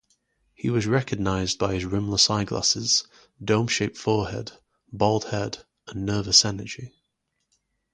He was recognized by his rimless eyeglasses, dome-shaped forehead, bald head, and nervous energy.